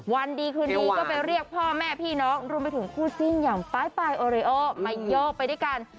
วันดีคืนนี้ก็ไปเรียกพ่อแม่พี่น้องรวมไปถึงคู่จิ้นอย่างป้ายปลายโอเรโอมาโยกไปด้วยกัน